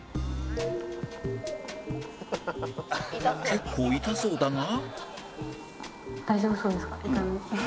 結構痛そうだが？